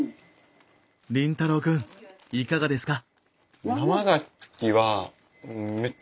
凛太郎くんいかがですか？